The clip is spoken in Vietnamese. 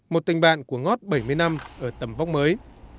một tình bạn của ngót bảy mươi năm ở tầm vóc mới